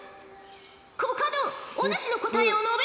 コカドお主の答えを述べよ！